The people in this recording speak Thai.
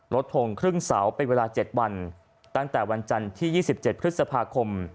ทงครึ่งเสาเป็นเวลา๗วันตั้งแต่วันจันทร์ที่๒๗พฤษภาคม